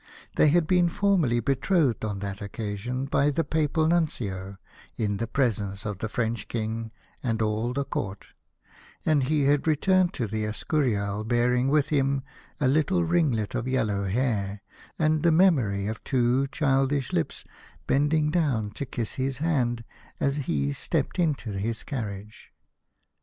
They had been formally betrothed on that occasion by the Papal Nuncio in the presence of the French King and all the Court, and he had returned to the Escurial bearing with him a little ringlet of yellow hair, and the memory of two childish lips bending down to kiss his hand as he stepped into his carriage.